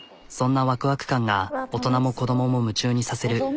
そんなワクワク感が大人も子どもも夢中にさせる。